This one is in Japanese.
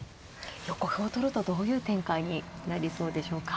横歩を取るとどういう展開になりそうでしょうか。